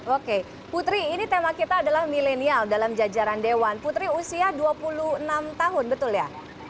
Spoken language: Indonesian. oke putri ini tema kita adalah milenial dalam jajaran dewan putri usia dua puluh enam tahun betul ya